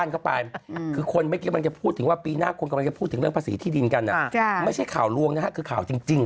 ดอกไม้ปิดไปจริงเปล่าครับครับไม่ปิดครับว่า